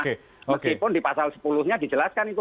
meskipun di pasal sepuluh nya dijelaskan itu